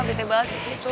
bete banget disitu